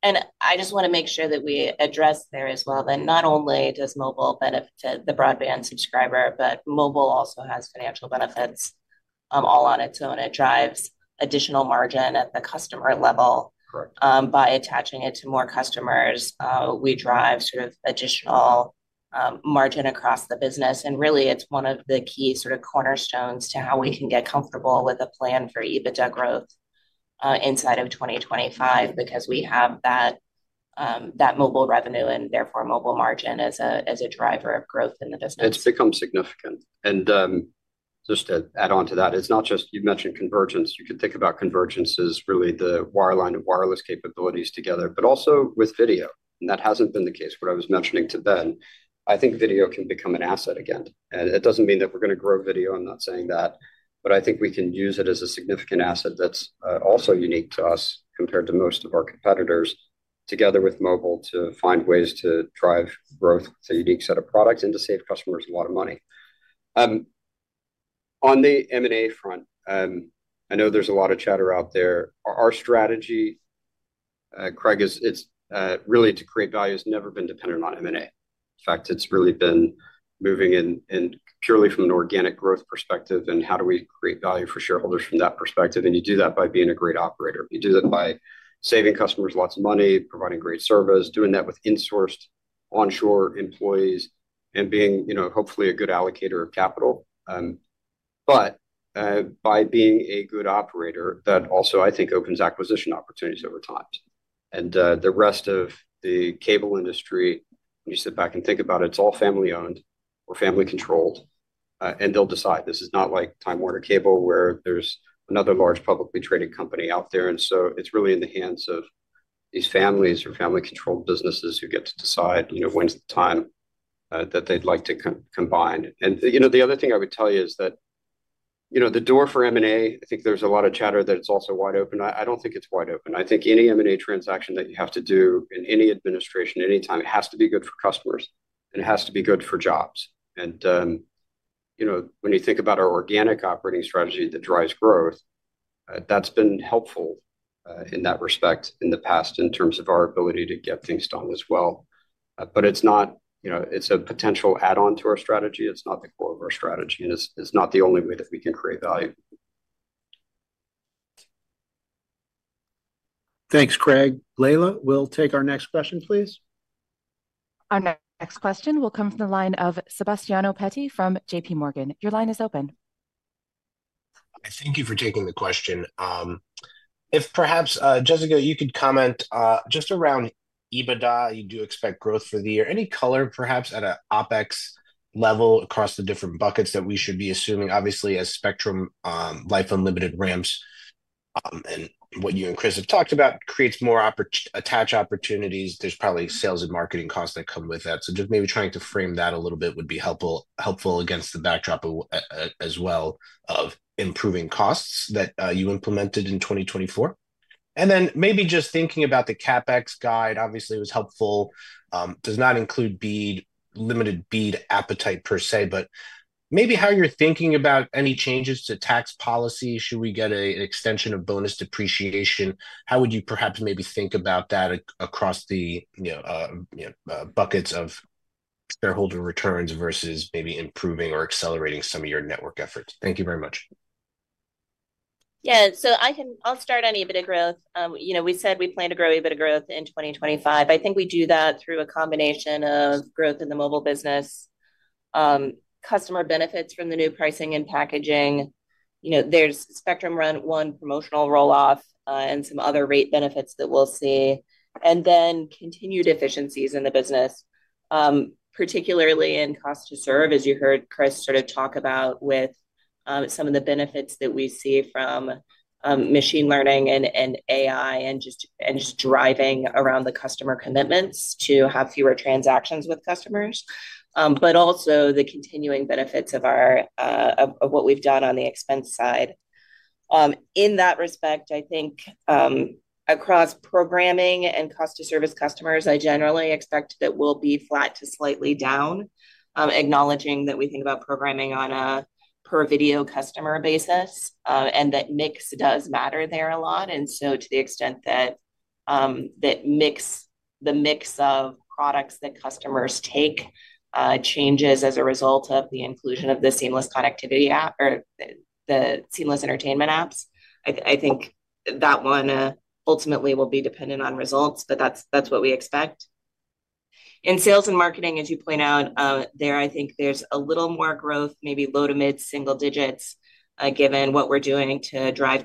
And I just want to make sure that we address there as well that not only does mobile benefit the broadband subscriber, but mobile also has financial benefits all on its own. It drives additional margin at the customer level by attaching it to more customers. We drive sort of additional margin across the business. And really, it's one of the key sort of cornerstones to how we can get comfortable with a plan for EBITDA growth inside of 2025 because we have that mobile revenue and therefore mobile margin as a driver of growth in the business. It's become significant. And just to add on to that, it's not just you mentioned convergence. You could think about convergence as really the wireline and wireless capabilities together, but also with video. And that hasn't been the case. What I was mentioning to Ben, I think video can become an asset again. And it doesn't mean that we're going to grow video. I'm not saying that, but I think we can use it as a significant asset that's also unique to us compared to most of our competitors together with mobile to find ways to drive growth with a unique set of products and to save customers a lot of money. On the M&A front, I know there's a lot of chatter out there. Our strategy, Craig, is really to create value has never been dependent on M&A. In fact, it's really been moving in purely from an organic growth perspective and how do we create value for shareholders from that perspective. And you do that by being a great operator. You do that by saving customers lots of money, providing great service, doing that with insourced onshore employees, and being hopefully a good allocator of capital. But by being a good operator, that also I think opens acquisition opportunities over time. And the rest of the cable industry, when you sit back and think about it, it's all family-owned or family-controlled, and they'll decide. This is not like Time Warner Cable where there's another large publicly traded company out there. And so it's really in the hands of these families or family-controlled businesses who get to decide when's the time that they'd like to combine. And the other thing I would tell you is that the door for M&A, I think there's a lot of chatter that it's also wide open. I don't think it's wide open. I think any M&A transaction that you have to do in any administration, anytime, it has to be good for customers, and it has to be good for jobs. And when you think about our organic operating strategy that drives growth, that's been helpful in that respect in the past in terms of our ability to get things done as well. But it's a potential add-on to our strategy. It's not the core of our strategy, and it's not the only way that we can create value. Thanks, Craig. Leila, we'll take our next question, please. Our next question will come from the line of Sebastiano Petti from J.P. Morgan. Your line is open. Thank you for taking the question. If perhaps, Jessica, you could comment just around EBITDA. You do expect growth for the year. Any color perhaps at an OpEx level across the different buckets that we should be assuming? Obviously, as Spectrum Life Unlimited ramps and what you and Chris have talked about, creates more attach opportunities. There's probably sales and marketing costs that come with that. So just maybe trying to frame that a little bit would be helpful against the backdrop as well of improving costs that you implemented in 2024.And then maybe just thinking about the CapEx guide, obviously, it was helpful. Does not include limited BEAD appetite per se, but maybe how you're thinking about any changes to tax policy. Should we get an extension of bonus depreciation? How would you perhaps maybe think about that across the buckets of shareholder returns versus maybe improving or accelerating some of your network efforts? Thank you very much. Yeah. So I'll start on EBITDA growth. We said we plan to grow EBITDA growth in 2025. I think we do that through a combination of growth in the mobile business, customer benefits from the new pricing and packaging. There's Spectrum One promotional roll-off and some other rate benefits that we'll see, and then continued efficiencies in the business, particularly in cost to serve, as you heard Chris sort of talk about with some of the benefits that we see from machine learning and AI and just driving around the customer commitments to have fewer transactions with customers, but also the continuing benefits of what we've done on the expense side. In that respect, I think across programming and cost to service customers, I generally expect that we'll be flat to slightly down, acknowledging that we think about programming on a per video customer basis and that mix does matter there a lot. And so to the extent that the mix of products that customers take changes as a result of the inclusion of the seamless connectivity app or the seamless entertainment apps, I think that one ultimately will be dependent on results, but that's what we expect. In sales and marketing, as you point out there, I think there's a little more growth, maybe low to mid single digits, given what we're doing to drive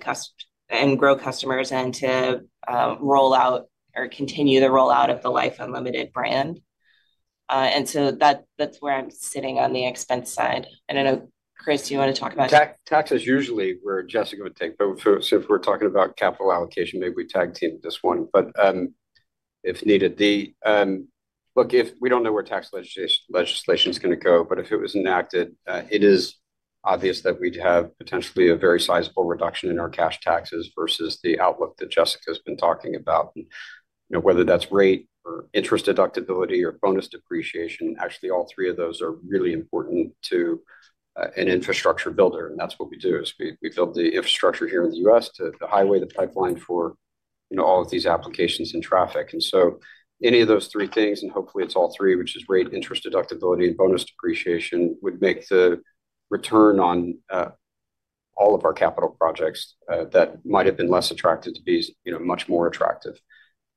and grow customers and to roll out or continue the rollout of the Life Unlimited brand. And so that's where I'm sitting on the expense side. And I know, Chris, you want to talk about tax. It's usually where Jessica would take. But if we're talking about capital allocation, maybe we tag team this one. But if needed, look, we don't know where tax legislation is going to go, but if it was enacted, it is obvious that we'd have potentially a very sizable reduction in our cash taxes versus the outlook that Jessica has been talking about. And whether that's rate or interest deductibility or bonus depreciation, actually all three of those are really important to an infrastructure builder. And that's what we do is we build the infrastructure here in the U.S. to the highway, the pipeline for all of these applications and traffic. And so any of those three things, and hopefully it's all three, which is rate, interest deductibility, and bonus depreciation, would make the return on all of our capital projects that might have been less attractive to be much more attractive.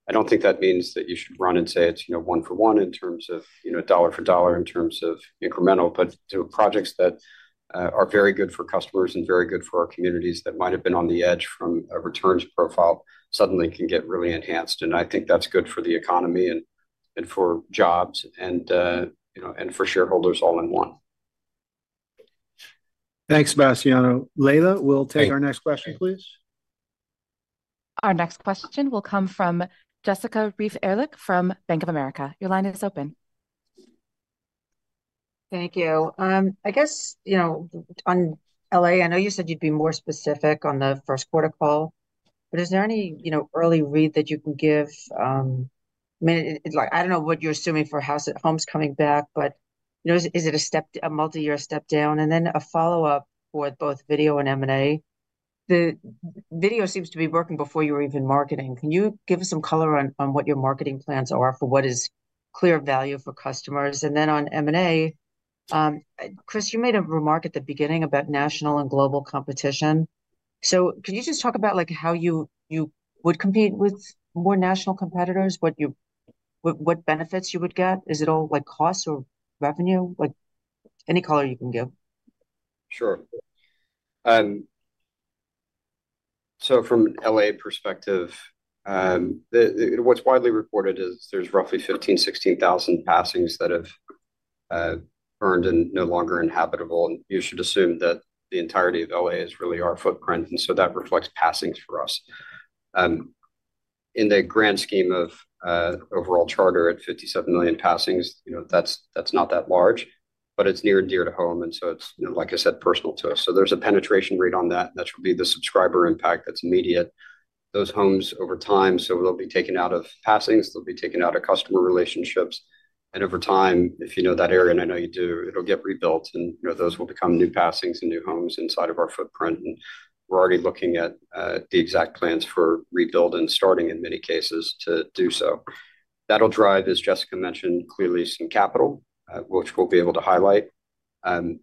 I don't think that means that you should run and say it's one for one in terms of dollar for dollar in terms of incremental, but projects that are very good for customers and very good for our communities that might have been on the edge from a returns profile, suddenly can get really enhanced. And I think that's good for the economy and for jobs and for shareholders all in one. Thanks, Sebastiano. Leila, we'll take our next question, please. Our next question will come from Jessica Reif Ehrlich from Bank of America. Your line is open. Thank you. I guess on LA, I know you said you'd be more specific on the Q1 call, but is there any early read that you can give? I mean, I don't know what you're assuming for households coming back, but is it a multi-year step down and then a follow-up for both video and M&A? The video seems to be working before you were even marketing. Can you give us some color on what your marketing plans are for what is clear value for customers? And then on M&A, Chris, you made a remark at the beginning about national and global competition. So could you just talk about how you would compete with more national competitors, what benefits you would get? Is it all cost or revenue? Any color you can give. Sure. So from an LA perspective, what's widely reported is there's roughly 15,000, 16,000 passings that have burned and no longer inhabitable. And you should assume that the entirety of LA is really our footprint. And so that reflects passings for us. In the grand scheme of overall Charter at 57 million passings, that's not that large, but it's near and dear to home, and so it's, like I said, personal to us, so there's a penetration rate on that, and that should be the subscriber impact that's immediate. Those homes over time, so they'll be taken out of passings, they'll be taken out of customer relationships, and over time, if you know that area, and I know you do, it'll get rebuilt, and those will become new passings and new homes inside of our footprint, and we're already looking at the exact plans for rebuild and starting in many cases to do so. That'll drive, as Jessica mentioned, clearly some capital, which we'll be able to highlight.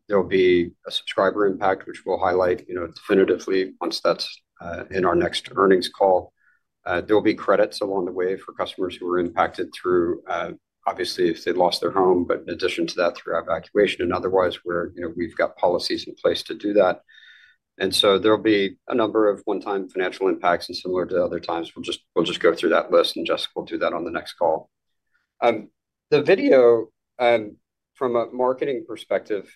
There'll be a subscriber impact, which we'll highlight definitively once that's in our next earnings call. There'll be credits along the way for customers who were impacted through, obviously, if they lost their home, but in addition to that, through evacuation, and otherwise, we've got policies in place to do that. And so there'll be a number of one-time financial impacts and similar to other times. We'll just go through that list, and Jessica will do that on the next call. The video, from a marketing perspective,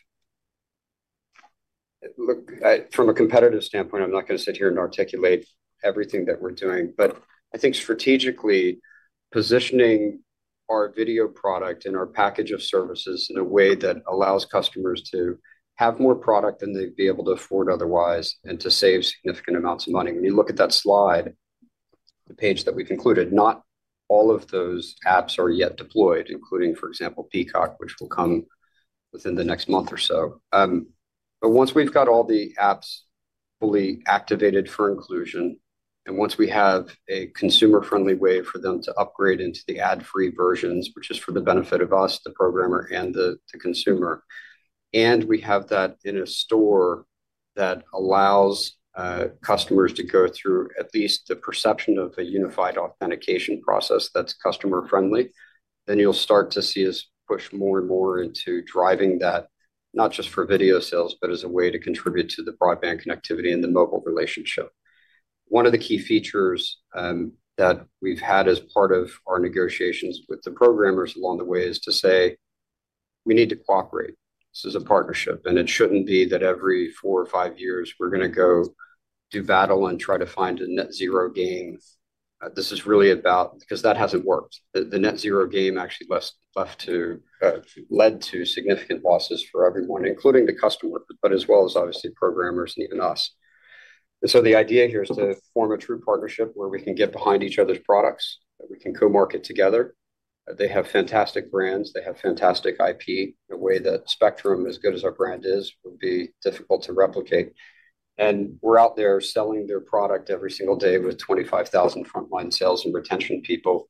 from a competitive standpoint, I'm not going to sit here and articulate everything that we're doing, but I think strategically positioning our video product and our package of services in a way that allows customers to have more product than they'd be able to afford otherwise and to save significant amounts of money. When you look at that slide, the page that we've included, not all of those apps are yet deployed, including, for example, Peacock, which will come within the next month or so. But once we've got all the apps fully activated for inclusion, and once we have a consumer-friendly way for them to upgrade into the ad-free versions, which is for the benefit of us, the programmer and the consumer, and we have that in a store that allows customers to go through at least the perception of a unified authentication process that's customer-friendly, then you'll start to see us push more and more into driving that, not just for video sales, but as a way to contribute to the broadband connectivity and the mobile relationship. One of the key features that we've had as part of our negotiations with the programmers along the way is to say, "We need to cooperate. This is a partnership, and it shouldn't be that every four or five years we're going to go do battle and try to find a net zero game." This is really about because that hasn't worked. The net zero game actually led to significant losses for everyone, including the customer, but as well as obviously programmers and even us. And so the idea here is to form a true partnership where we can get behind each other's products, that we can co-market together. They have fantastic brands. They have fantastic IP. The way that Spectrum is good as our brand is would be difficult to replicate. And we're out there selling their product every single day with 25,000 frontline sales and retention people.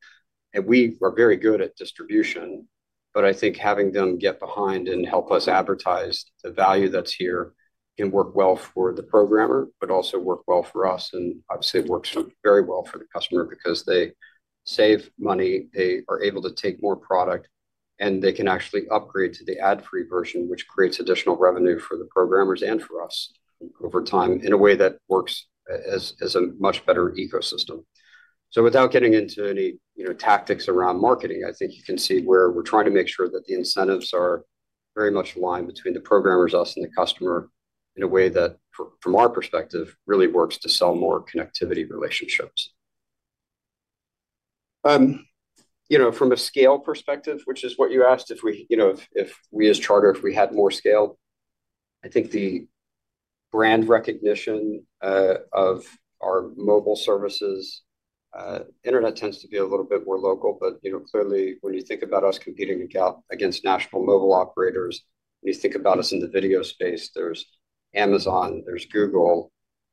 We are very good at distribution, but I think having them get behind and help us advertise the value that's here can work well for the programmer, but also work well for us. Obviously, it works very well for the customer because they save money. They are able to take more product, and they can actually upgrade to the ad-free version, which creates additional revenue for the programmers and for us over time in a way that works as a much better ecosystem. Without getting into any tactics around marketing, I think you can see where we're trying to make sure that the incentives are very much aligned between the programmers, us, and the customer in a way that, from our perspective, really works to sell more connectivity relationships. From a scale perspective, which is what you asked, if we as Charter, if we had more scale, I think the brand recognition of our mobile services, internet tends to be a little bit more local. But clearly, when you think about us competing against national mobile operators, when you think about us in the video space, there's Amazon, there's Google.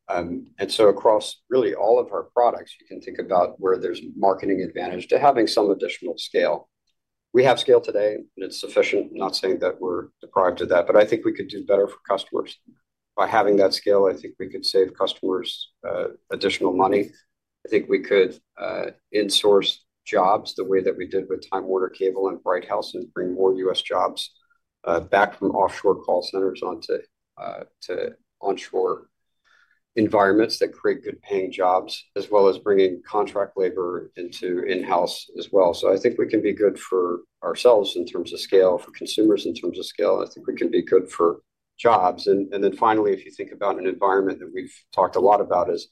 And so across really all of our products, you can think about where there's marketing advantage to having some additional scale. We have scale today, and it's sufficient. I'm not saying that we're deprived of that, but I think we could do better for customers. By having that scale, I think we could save customers additional money. I think we could insource jobs the way that we did with Time Warner Cable and Bright House and bring more U.S. jobs back from offshore call centers onto onshore environments that create good-paying jobs, as well as bringing contract labor into in-house as well. So I think we can be good for ourselves in terms of scale, for consumers in terms of scale. I think we can be good for jobs. And then finally, if you think about an environment that we've talked a lot about is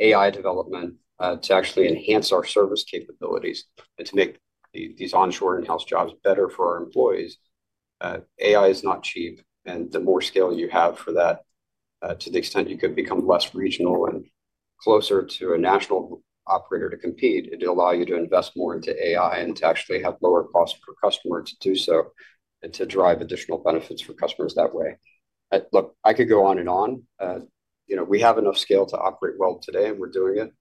AI development to actually enhance our service capabilities and to make these onshore in-house jobs better for our employees. AI is not cheap, and the more scale you have for that, to the extent you could become less regional and closer to a national operator to compete, it'd allow you to invest more into AI and to actually have lower costs per customer to do so and to drive additional benefits for customers that way. Look, I could go on and on. We have enough scale to operate well today, and we're doing it.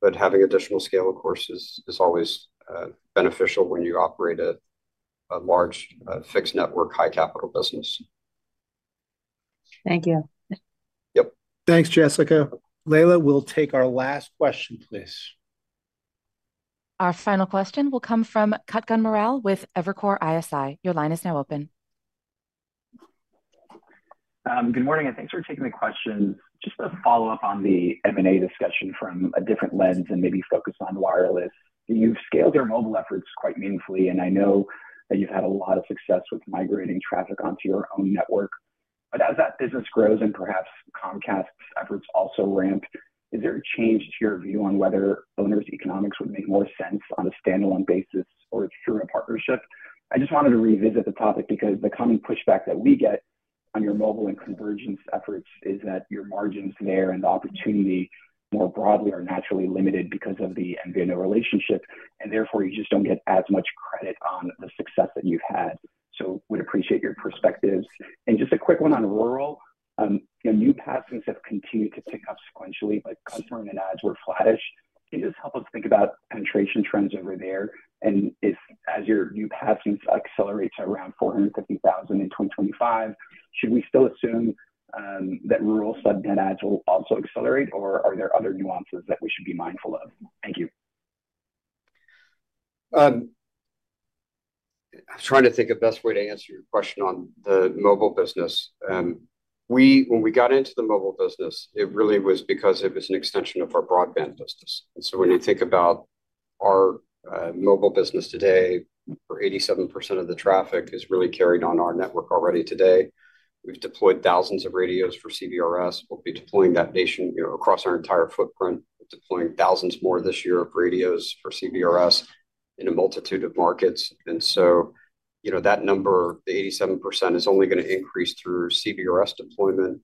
But having additional scale, of course, is always beneficial when you operate a large fixed network, high-capital business. Thank you. Yep. Thanks, Jessica. Leila, we'll take our last question, please. Our final question will come from Kutgun Maral with Evercore ISI. Your line is now open. Good morning, and thanks for taking the question. Just a follow-up on the M&A discussion from a different lens and maybe focus on wireless. You've scaled your mobile efforts quite meaningfully, and I know that you've had a lot of success with migrating traffic onto your own network. But as that business grows and perhaps Comcast's efforts also ramp, is there a change to your view on whether owner's economics would make more sense on a standalone basis or through a partnership? I just wanted to revisit the topic because the common pushback that we get on your mobile and convergence efforts is that your margins there and the opportunity more broadly are naturally limited because of the MVNO relationship, and therefore, you just don't get as much credit on the success that you've had. So we'd appreciate your perspectives. And just a quick one on rural. New passings have continued to pick up sequentially, but customer and ads were flattish. Can you just help us think about penetration trends over there? As your new passings accelerate to around 4,50,000 in 2025, should we still assume that rural sub-net adds will also accelerate, or are there other nuances that we should be mindful of? Thank you. I'm trying to think of the best way to answer your question on the mobile business. When we got into the mobile business, it really was because it was an extension of our broadband business. And so when you think about our mobile business today, 87% of the traffic is really carried on our network already today. We've deployed thousands of radios for CBRS. We'll be deploying that nationwide across our entire footprint, deploying thousands more this year of radios for CBRS in a multitude of markets. That number, the 87%, is only going to increase through CBRS deployment,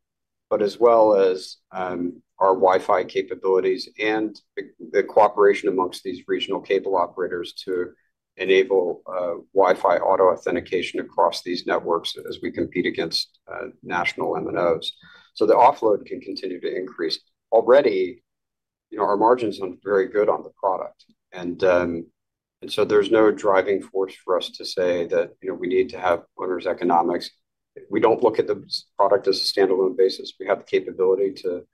but as well as our Wi-Fi capabilities and the cooperation among these regional cable operators to enable Wi-Fi auto authentication across these networks as we compete against national MNOs. The offload can continue to increase. Already, our margins aren't very good on the product. There is no driving force for us to say that we need to have owner's economics. We do not look at the product as a standalone basis. We have the capability to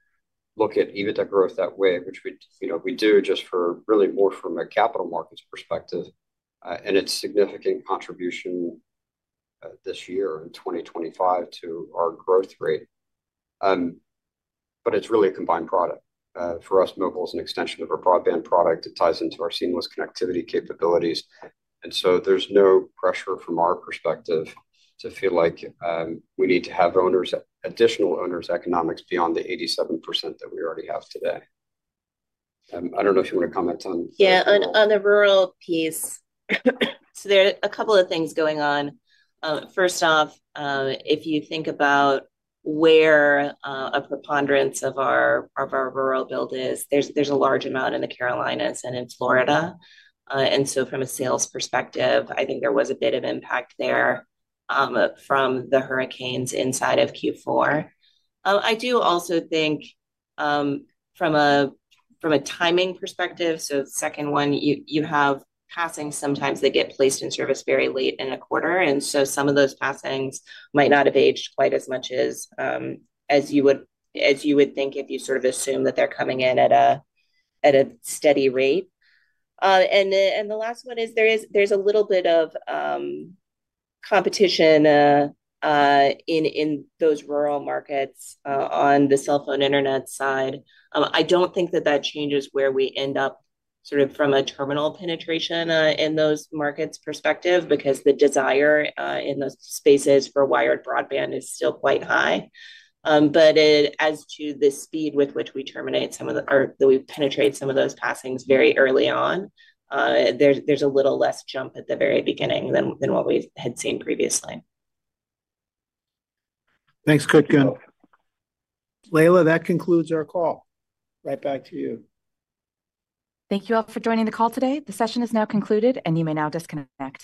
look at even that growth that way, which we do just for really more from a capital markets perspective. It is a significant contribution this year in 2025 to our growth rate. It is really a combined product. For us, mobile is an extension of our broadband product. It ties into our seamless connectivity capabilities. And so there's no pressure from our perspective to feel like we need to have additional owners' economics beyond the 87% that we already have today. I don't know if you want to comment on. Yeah, on the rural piece. So there are a couple of things going on. H1, if you think about where a preponderance of our rural build is, there's a large amount in The Carolinas and in Florida. And so from a sales perspective, I think there was a bit of impact there from the hurricanes inside of Q4. I do also think from a timing perspective, so second one, you have passings sometimes that get placed in service very late in a quarter. And so some of those passings might not have aged quite as much as you would think if you sort of assume that they're coming in at a steady rate. And the last one is there's a little bit of competition in those rural markets on the cell phone internet side. I don't think that that changes where we end up sort of from a terminal penetration in those markets perspective because the desire in those spaces for wired broadband is still quite high. But as to the speed with which we terminate that we penetrate some of those passings very early on, there's a little less jump at the very beginning than what we had seen previously. Thanks, Kutgun. Leila, that concludes our call. Right back to you. Thank you all for joining the call today. The session is now concluded, and you may now disconnect.